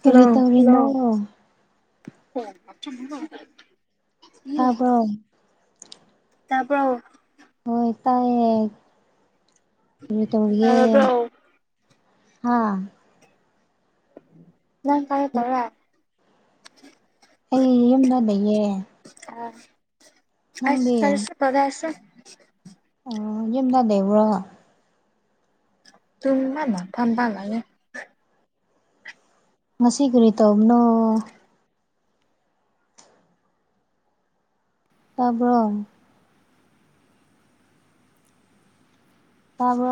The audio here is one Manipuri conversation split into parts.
ꯀꯔꯤ ꯍꯜꯂꯣ ꯇꯧꯔꯤ ꯍ ꯇꯥꯕ꯭ꯔꯣ ꯇꯥꯄ꯭ꯔꯣ ꯍꯣꯏ ꯇꯥꯏꯌꯦ ꯀꯔꯤ ꯇꯧꯔꯤꯒꯦ ꯇꯥꯔꯕ꯭ꯔꯣ ꯍꯥꯥ ꯅꯪ ꯀꯥꯏ ꯇꯧꯔꯦ ꯑꯩ ꯌꯨꯝꯗ ꯂꯩꯌꯦ ꯑ ꯑꯁ ꯅꯪꯗꯤ ꯐꯔꯁ ꯄꯗꯁꯣ ꯑꯣ ꯌꯦꯗ ꯗꯦꯕ꯭ꯔ ꯇꯨꯝꯃꯅꯥꯝ ꯐꯕꯉꯥꯏꯌꯦ ꯉꯁꯤ ꯀꯔꯤ ꯇꯧꯕꯅꯣ ꯇꯥꯕ꯭ꯔꯣ ꯇꯥꯕꯣ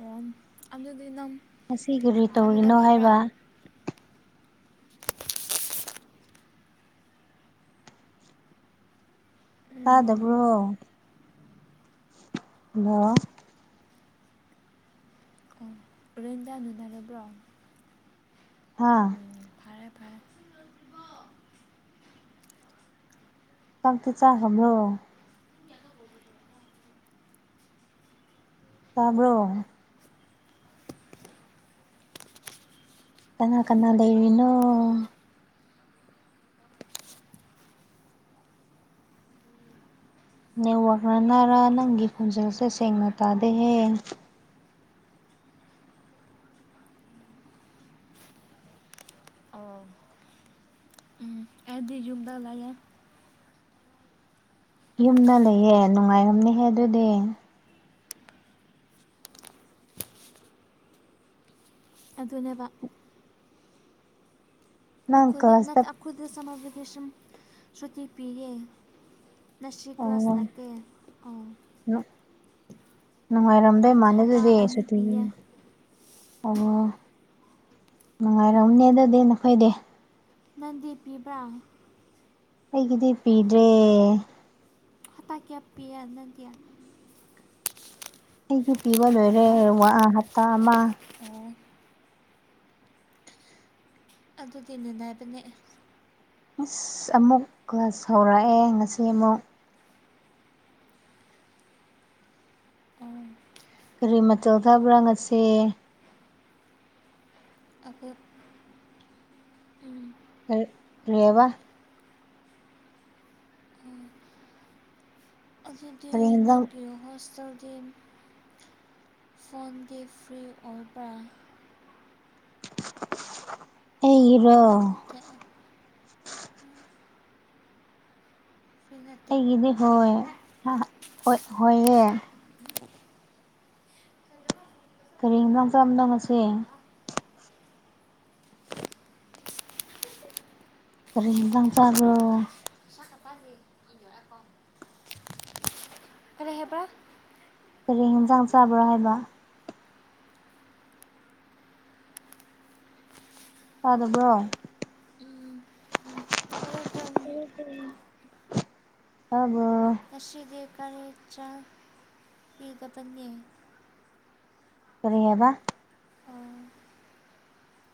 ꯑꯣ ꯑꯗꯨ ꯅꯝ ꯉꯁꯤ ꯀꯔꯤ ꯇꯧꯔꯤꯅꯣ ꯍꯥꯏꯕ ꯇꯥꯗꯕ꯭ꯔꯣ ꯎꯝ ꯍꯜꯂꯣ ꯔꯦꯟꯖꯥ ꯅꯨꯅꯔꯕ꯭ꯔꯣ ꯍꯥꯥ ꯎꯝ ꯐꯔꯦ ꯐꯔꯦ ꯆꯥꯛꯇꯤ ꯆꯥꯈ꯭ꯔꯕꯣ [inaudible] ꯇꯥꯕ꯭ꯔꯣ [unintelligible] ꯀꯅꯥ ꯀꯅꯥ ꯂꯩꯔꯤꯅꯣ ꯅꯦꯠꯋꯥꯛꯅꯔ ꯅꯪꯒꯤ ꯈꯣꯟꯖꯦꯜꯁꯦ ꯁꯦꯡꯅ ꯇꯥꯗꯦꯍꯦ ꯑꯣ ꯎ ꯑꯗꯤ ꯌꯨꯝꯗ ꯂꯦ ꯌꯨꯝꯗ ꯂꯩꯌꯦ ꯅꯨꯡꯉꯥꯏꯔꯝꯅꯤꯍꯦ ꯑꯗꯨꯗꯤ ꯑꯗꯨꯅꯦꯕ ꯅꯪ ꯑꯩꯈꯣꯏꯗ ꯀ꯭ꯂꯥꯁꯇ ꯅꯠꯇ ꯑꯩꯈꯣꯏꯗ ꯁꯃꯕꯤꯗꯤꯁꯝ ꯁꯨꯇꯤ ꯄꯤꯌꯦ ꯅꯁꯤꯔꯤ ꯀ꯭ꯂ ꯀ꯭ꯂꯥꯁ ꯑꯣ ꯅꯀꯦ ꯑꯥꯎ ꯅꯨꯡꯉꯥꯏꯔꯝꯗꯣꯏ ꯏ ꯍꯞꯇꯥ ꯃꯥꯟꯅꯤꯗꯗꯤ ꯑꯅꯤ ꯁꯇꯤ ꯄꯤꯌꯦ ꯑꯣ ꯅꯨꯡꯉꯥꯏꯔꯝꯅꯦ ꯑꯗꯨꯗꯤ ꯅꯈꯣꯏꯗꯤ ꯅꯟꯗꯤ ꯄꯤꯕ꯭ꯔꯥ ꯑꯩꯒꯤꯗꯤ ꯄꯤꯗ꯭ꯔꯦ ꯍꯇꯥ ꯀꯌꯥ ꯄꯤꯌꯥ ꯅꯗꯤꯌꯥ ꯑꯩꯁꯨ ꯄꯤꯕ ꯂꯣꯏꯔꯦ ꯋꯥ ꯍꯞꯇꯥ ꯑꯃ ꯑ ꯑꯗꯨꯗꯤꯅꯦꯅꯦ ꯍꯥꯏꯕꯅꯦ ꯏꯁꯁ ꯑꯃꯨꯛ ꯀ꯭ꯂꯁ ꯍꯧꯔꯛꯑꯦ ꯉꯁꯤ ꯑꯃꯨꯛ ꯑꯣ ꯀꯔꯤ ꯃꯇꯆꯜ ꯊꯥꯕ꯭ꯔꯥ ꯉꯁꯦ ꯑꯈꯣ ꯔꯦꯕ ꯑꯗꯨꯗꯤ ꯀꯔꯤ ꯌꯦꯟꯖꯥꯡ ꯅꯪꯒꯤ ꯍꯣꯁꯇꯦꯜꯗꯤ ꯐꯣꯟꯒꯤ ꯐ꯭ꯔꯤ ꯐꯪꯄ꯭ꯔ ꯑꯣ ꯑꯩꯒꯤꯗꯣ [unintelligible] ꯐ꯭ꯔꯤ ꯅꯠꯇꯦ ꯑꯩꯒꯤꯗꯤ ꯑꯣ ꯍꯣꯏ ꯍꯣꯏꯌꯦ ꯇꯔꯦꯡꯗꯪ ꯆꯠꯂꯝꯗꯪ ꯉꯁꯦ ꯀꯔꯤ ꯍꯤꯟꯖꯪ ꯆꯥꯕ꯭ꯔꯣ ꯆꯛꯀ ꯆꯥꯗꯦ ꯀꯣ ꯑꯔꯦ ꯍꯥꯏꯕꯥ ꯀꯔꯤ ꯍꯤꯟꯖꯥꯡ ꯆꯥꯕ꯭ꯔꯥ ꯍꯥꯏꯕ ꯇꯥꯗꯕ꯭ꯔꯣ ꯑꯗꯨꯗ [unintelligible] ꯇꯥꯕ꯭ꯔꯣ ꯉꯁꯤꯗꯤ ꯀꯔꯤ ꯆꯥꯏ ꯄꯤꯗꯄꯅꯦ ꯀꯔꯤ ꯍꯥꯏꯕ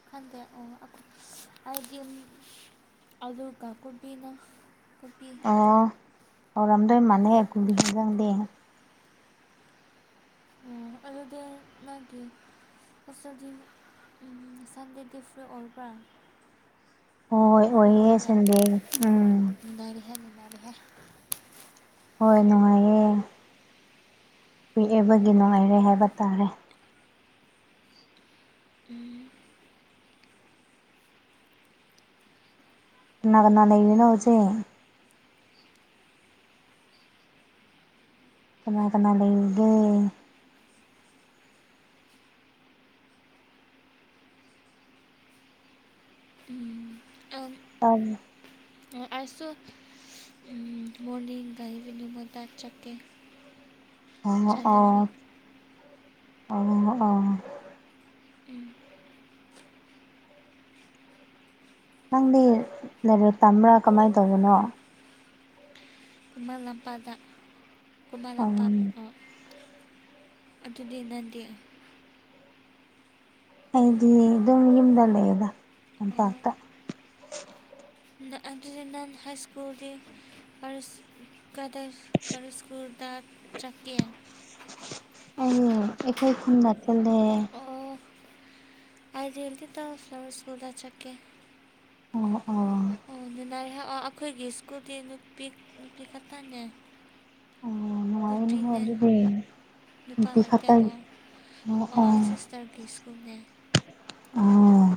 [unintelligible] ꯍꯥꯏꯗꯤ ꯑꯂꯨꯀ ꯀꯣꯕꯤꯅ ꯀꯣꯕꯤ ꯑꯣ ꯍꯥꯎꯔꯝꯗꯣꯏ ꯃꯥꯥꯟꯂꯦꯍꯦ ꯀꯨꯕꯤ ꯍꯦꯟꯖꯥꯡꯗꯤ ꯑꯗꯨꯗ ꯃꯥꯒꯤ ꯍꯣꯁꯇꯦꯜꯗꯤ ꯎꯝ ꯁꯟꯗꯦꯗꯤ ꯐ꯭ꯔꯤ ꯑꯣꯕ꯭ꯔꯥ ꯍꯣꯏ ꯐꯔꯤ ꯑꯣꯏꯌꯦ ꯁꯟꯗꯦ ꯎꯝ ꯅꯨꯡꯉꯥꯏꯔꯦꯍꯦ ꯅꯨꯡꯉꯥꯏꯔꯦꯍꯦ ꯍꯣꯏ ꯅꯨꯡꯉꯥꯏꯌꯦ ꯄꯤꯛꯑꯦꯕꯒꯤ ꯅꯨꯡꯉꯥꯏꯔꯦ ꯍꯥꯏꯕ ꯇꯥꯔꯦ ꯀꯅꯥ ꯀꯅꯥ ꯂꯩꯔꯤꯅꯣ ꯏꯆꯦ ꯀꯅꯥ ꯀꯅꯥ ꯂꯩꯒꯦ [unintelligible] [inaudible] ꯑꯁꯨ ꯎꯝ ꯃꯣꯔꯅꯤꯡꯒ ꯏꯚꯅꯤꯡꯒ ꯇ ꯆꯠꯀꯦ ꯑꯣ ꯑꯣ ꯑꯣ ꯑꯣ ꯅꯪꯗꯤ ꯂꯥꯏꯔꯤꯛ ꯇꯝꯕ꯭ꯔꯥ ꯀꯃꯥꯏ ꯇꯧꯕꯅꯣ ꯈꯨꯃꯜ ꯂꯝꯄꯥꯛꯗ ꯈꯨꯃꯜ ꯎꯝ ꯂꯝꯄꯥꯛ ꯑꯥ ꯑꯗꯨꯗꯤ ꯅꯪꯗꯤ ꯑꯩꯗꯤ ꯑꯗꯨꯝ ꯌꯨꯝꯗ ꯂꯩꯕ ꯇꯝꯄꯥꯛꯇ ꯑꯗꯨꯗꯤ ꯅꯪ ꯍꯥꯏ ꯁ꯭ꯀꯨꯜꯒꯤ [unintelligible] ꯀꯗ ꯀꯔꯤ ꯁꯀꯨ꯭ꯜ ꯗ ꯆꯠꯀꯦ ꯑꯩꯅꯦ ꯑꯩꯈꯣꯏ ꯈꯨꯟꯗ ꯆꯠꯂꯦ ꯑꯥꯏꯗꯦꯜꯇꯤꯗ ꯐ꯭ꯂꯥꯋꯔꯁ ꯁꯀꯨꯜ ꯆꯠꯀꯦ ꯑꯣ ꯑꯣ [unintelligible] ꯑꯩꯈꯣꯏꯒꯤ ꯁ꯭ꯀꯨꯜꯗꯤ ꯅꯨꯄꯤ ꯅꯨꯄꯤ ꯈꯛꯇꯪꯅꯦ ꯑꯣ ꯅꯨꯡꯉꯥꯏꯔꯅꯤꯍꯦ ꯅꯨꯄꯤꯅꯦ ꯑꯗꯨꯗꯤ ꯅꯨꯄꯥ ꯅꯨꯄꯤ ꯉꯥꯛꯇꯥ ꯈꯛꯇ ꯑꯣ ꯑꯣ ꯑꯣ ꯁꯤꯁꯇꯔꯒꯤ ꯁ꯭ꯀꯨꯜꯅꯦ ꯑꯣ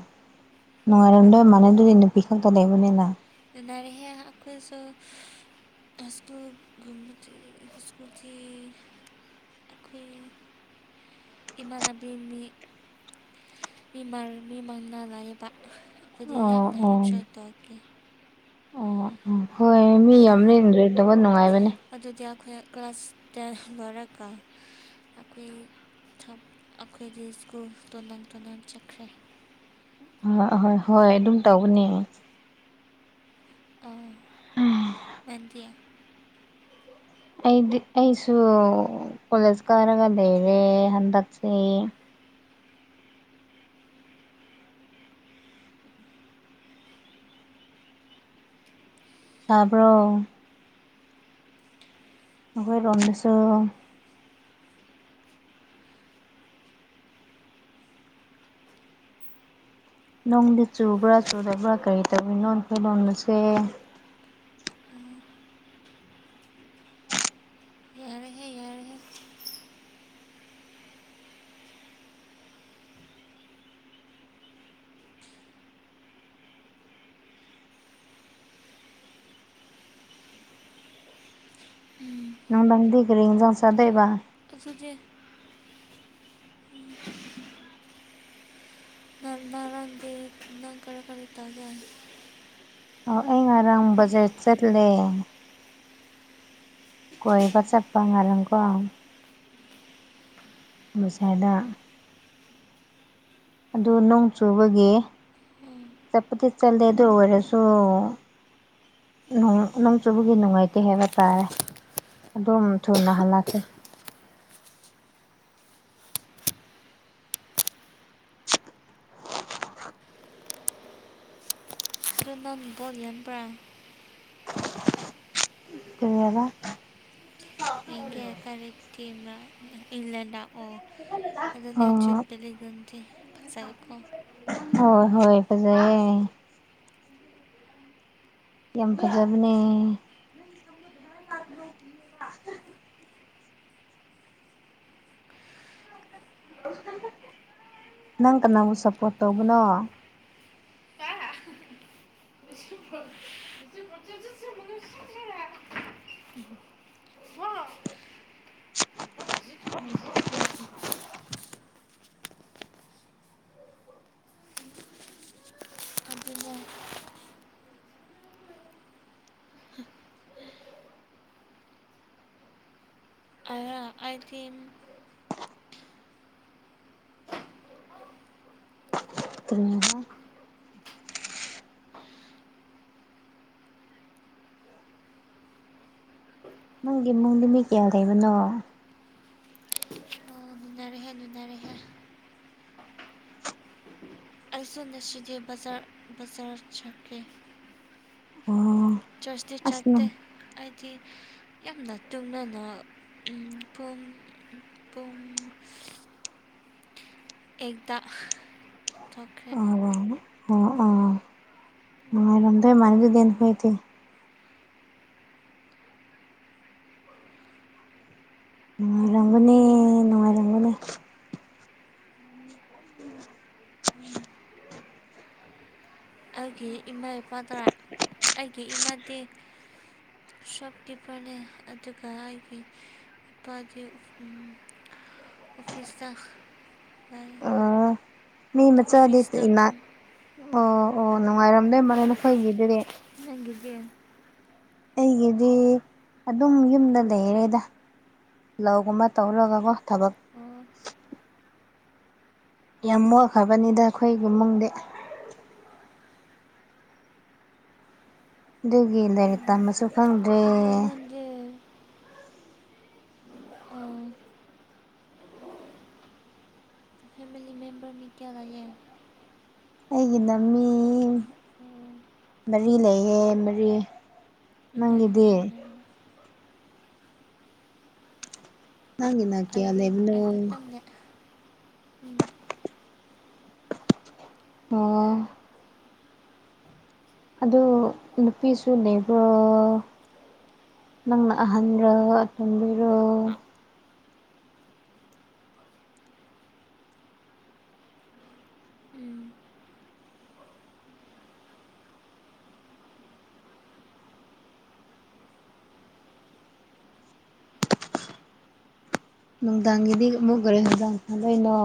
ꯅꯨꯉꯥꯏꯔꯣꯝꯗꯣꯏ ꯃꯥꯅꯦ ꯑꯗꯨꯗꯤ ꯅꯨꯄꯤꯈꯛꯇ ꯂꯩꯕꯅꯦꯅ [unintelligible] ꯑꯩꯈꯣꯏꯁꯨ ꯍꯥꯏꯁꯀꯨꯜꯒꯨꯝꯕꯗꯤ ꯁꯀꯨ꯭ꯜꯗꯤ ꯑꯩ ꯏꯃꯥꯟꯅꯕꯤꯅꯤ ꯃꯤ ꯃꯥꯡ ꯃꯤ ꯃꯉꯥ ꯂꯥꯏꯕ ꯑꯗꯨꯗꯤ ꯑꯣ ꯌꯥꯝꯅ ꯑꯣ ꯏꯟꯖꯣꯏ ꯇꯧꯕꯒꯤ ꯑꯣ ꯑꯣ ꯍꯣꯏ ꯃꯤ ꯌꯥꯝ ꯂꯦꯟꯗ꯭ꯔ [unintelligible] ꯅꯨꯡꯉꯥꯏꯕꯅꯦ ꯑꯗꯨꯗꯤ ꯑꯩꯈꯣꯏ ꯀ꯭ꯂꯥꯁ ꯇꯦꯟ ꯂꯣꯏꯔꯒ ꯑꯩꯈꯣꯏ ꯑꯩꯈꯣꯏꯗꯤ ꯁ꯭ꯀꯨꯜ ꯇꯣꯉꯥꯟ ꯇꯣꯉꯟ ꯆꯠꯈ꯭ꯔꯦ ꯑꯥ ꯍꯣꯏ ꯍꯣꯏ ꯑꯗꯨꯝ ꯇꯧꯕꯅꯦ ꯑꯥ ꯅꯪꯗꯤ ꯑꯩꯗꯤ ꯑꯩꯁꯨ ꯀꯣꯂꯦꯖ ꯀꯥꯔꯒ ꯂꯩꯔꯦ ꯍꯟꯗꯛꯁꯦ ꯇꯥꯕ꯭ꯔꯣ ꯑꯩꯈꯣꯏꯔꯣꯝꯗꯁꯨ ꯅꯣꯡꯗꯤ ꯆꯨꯕ꯭ꯔꯥ ꯆꯨꯗꯕ꯭ꯔꯥ ꯀꯔꯤ ꯇꯧꯔꯤꯅꯣ ꯑꯩꯈꯣꯏ ꯅꯣꯡꯗꯁꯦ ꯌꯥꯔꯦꯍꯦ ꯌꯥꯔꯦꯍꯦ ꯅꯨꯡꯗꯥꯡꯗꯤ ꯀꯔꯤ ꯍꯤꯟꯖꯥꯡ ꯆꯥꯗꯣꯏꯕ [unintelligible] [unintelligible] ꯅꯪ ꯀꯔꯤ ꯀꯔꯤ ꯇꯧꯕ꯭ꯔꯥ ꯑꯣ ꯑꯩ ꯉꯔꯥꯡ ꯕꯖꯥꯔ ꯆꯠꯂꯦ ꯀꯣꯏꯕ ꯆꯠꯄ ꯉꯔꯨꯀꯣ ꯕꯖꯥꯔꯗ ꯑꯗꯨ ꯅꯣꯡ ꯆꯨꯕꯒꯤ ꯆꯞꯗꯤ ꯆꯜꯗꯦ ꯑꯗꯨ ꯑꯣꯔꯁꯨ ꯅꯣꯡ ꯅꯣꯡ ꯆꯨꯕꯒꯤ ꯅꯨꯡꯉꯥꯏꯇꯦ ꯍꯥꯏꯕ ꯇꯥꯔꯦ ꯑꯗꯨꯝ ꯊꯨꯅ ꯍꯜꯂꯀꯦ [unintelligible] ꯀꯔꯤꯑꯥꯕ ꯑꯩꯒꯤꯌꯥ ꯀꯔꯦ ꯇꯤꯃꯦ ꯏꯪꯂꯦꯟꯗ ꯑꯣ ꯑꯣ ꯑꯗꯨꯅꯆꯠꯕꯂꯒꯗꯤ ꯐꯁꯥꯏꯀꯣ [unintelligible] ꯍꯣꯏ ꯍꯣꯏ ꯐꯖꯩꯌꯦ ꯌꯥꯝ ꯐꯖꯕꯅꯦ ꯙ ꯔ [unintelligible] ꯅꯪ ꯀꯅꯥꯕꯨ ꯁꯞꯄꯣꯔꯠ ꯇꯧꯕꯅꯣ ꯃꯠꯁꯨ ꯆꯖ ꯃꯅꯨꯡ ꯁꯟꯖ꯭ꯔꯥ [unintelligible] [unintelligible] ꯑꯗꯨꯕꯨ [inaudible] [unintelligible] ꯎꯝ ꯅꯪꯒꯤ ꯏꯃꯨꯡꯗꯤ ꯃꯤ ꯀꯌꯥ ꯂꯩꯕꯅꯣ ꯑꯣ ꯑꯗꯨꯅ ꯔꯍꯦ ꯅꯨꯅꯨꯡꯅꯔꯦꯍꯦ ꯑꯩꯁꯨ ꯉꯁꯤꯗꯤ ꯕꯖꯥꯔ ꯕꯖꯥꯔ ꯆꯠꯀꯦ ꯎꯨꯝ ꯆꯔꯁꯇꯤ ꯆꯠꯇꯦ ꯍꯥꯏꯗꯤ ꯌꯥꯝꯅ ꯇꯨꯅꯅ ꯎꯨꯝ ꯄꯨꯡ ꯄꯨꯡ ꯑꯦꯠꯇꯥ ꯑ ꯑꯣ ꯅꯨꯡꯉꯥꯏꯔꯝꯗꫭꯏ ꯃꯥꯜꯂꯦ ꯅꫭꯏꯗꯤ ꯅꯨꯡꯉꯥꯏꯔꯝꯒꯅꯦ ꯅꯨꯡꯉꯥꯏꯔꯝꯒꯅꯦ ꯑꯩꯒꯤ ꯏꯃꯥ ꯏꯄꯥꯗꯔ ꯑꯩꯒꯤ ꯏꯃꯗꯤ ꯁꯣꯞꯀꯤꯄꯔꯅꯦ ꯑꯗꯨꯒ ꯑꯩꯕꯤ ꯏꯄꯥꯗꯤ ꯎꯨꯝ ꯑꯣꯐꯤꯁ ꯗ ꯂꯩ ꯑꯥ ꯃꯤ ꯃꯆꯥꯗꯤ ꯑꯣꯐꯤꯁꯇ ꯏꯃꯥ ꯑꯣ ꯑꯣ ꯅꯨꯡꯉꯥꯏꯔꯝꯗꯣꯏ ꯃꯥꯅꯦ ꯅꯈꯣꯏꯒꯤꯗꯨꯗꯤ ꯅꯪꯒꯤꯗꯤ ꯑꯩꯒꯤꯗꯤ ꯑꯗꯨꯝ ꯌꯨꯝꯗ ꯂꯩꯔꯦꯗ ꯂꯧꯒꯨꯝꯕ ꯇꯧꯔꯨꯔꯒꯀꯣ ꯊꯕꯛ ꯑꯣ ꯌꯥꯝ ꯃꯣꯠꯈ꯭ꯔꯕꯅꯤꯗ ꯑꯩꯈꯣꯏ ꯏꯃꯨꯡꯗꯤ ꯑꯗꯨꯒꯤ ꯂꯥꯏꯔꯤꯛ ꯇꯝꯕꯁꯨ ꯐꯪꯗ꯭ꯔꯦ ꯒꯤ ꯑꫭ ꯐꯦꯃꯤꯂꯤ ꯃꯦꯝꯕꯔ ꯃꯤ ꯀꯌꯥꯂꯩꯒꯦ ꯑꯩꯒꯤꯅ ꯃꯤ ꯎꯝ ꯎꯝ ꯑꯣ ꯃꯔꯤ ꯂꯩꯌꯦ ꯃꯔꯤ ꯅꯨꯡꯉꯥꯏꯔꯦ ꯅꯪꯒꯤꯗꯤ ꯅꯨꯡꯉꯥꯏꯔꯦ ꯅꯪꯒꯤꯅ ꯑꯩꯗꯤ ꯑꯩ ꯀꯌꯥꯂꯩꯕꯅꯣ ꯈꯛꯇꯪꯅꯦ ꯎꯝ ꯑꯣ ꯑꯗꯨ ꯅꯨꯄꯤꯁꯨ ꯂꯩꯕ꯭ꯔꯣ ꯅꯪꯅ ꯑꯍꯟꯔꯣ ꯑꯇꯨꯝꯕꯤꯔꯣ ꯎꯝ ꯅꯨꯡꯗꯥꯡꯒꯤꯗꯤ ꯑꯃꯨꯛ ꯀꯔꯤ ꯍꯦꯟꯖꯥꯡ ꯊꯣꯡꯗꯣꯏꯅꯣ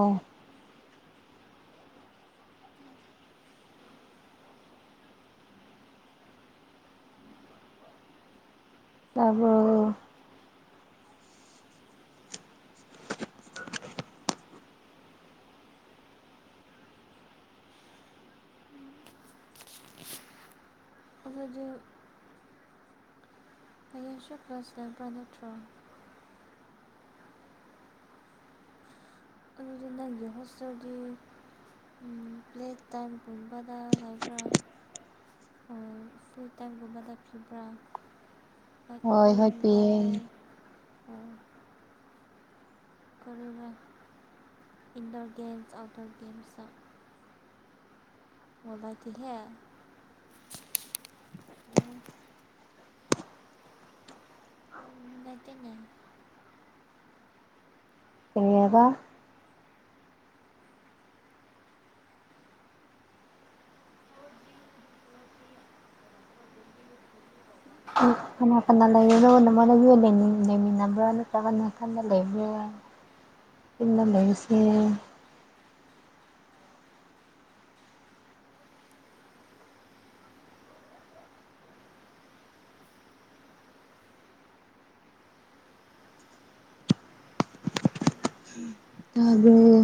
ꯇꯥꯕꯔꯣ ꯑꯈꯣꯏꯗꯤ ꯍꯌꯦꯡꯁꯨ ꯀꯂꯥꯁ ꯂꯩꯕ꯭ꯔꯥ ꯅꯠꯇ꯭ꯔꯣ ꯑꯗꯨꯗꯤ ꯅꯪꯒꯤ ꯍꯣꯁꯇꯦꯜꯗꯤ ꯄ꯭ꯂꯦ ꯇꯥꯏꯝ ꯄꯨꯟꯕꯗ ꯂꯩꯕ꯭ꯔꯥ ꯐ꯭ꯔꯤ ꯇꯥꯏꯝꯒꯨꯝꯕꯗ ꯄꯤꯕ꯭ꯔꯥ ꯀ ꯍꯣꯏ ꯍꯣꯏ ꯄ꯭ꯂꯦꯕꯣ ꯄꯤꯌꯦ ꯀꯔꯤꯔ ꯏꯟꯗꯣꯔ ꯒꯦꯝꯁ ꯑꯥꯎꯠꯗꯣꯔ ꯒꯦꯝꯁ ꯃꯕꯥꯥꯏꯗꯤꯍꯦ ꯎ ꯗꯤꯅꯦ ꯀꯔꯤ ꯍꯥꯏꯕ ꯀꯅꯥ ꯀꯅꯥ ꯂꯩꯔꯤꯔꯣ ꯅꯃꯥꯟꯅꯕꯤꯒ ꯂꯩꯃꯤꯟ ꯂꯩꯃꯤꯟ ꯅꯕ꯭ꯔ ꯅꯠꯇꯔꯒ ꯅꯥꯊꯟ ꯂꯩꯕ꯭ꯔ ꯏꯪꯅ ꯂꯩꯁꯦ ꯇꯥꯕꯔꯣ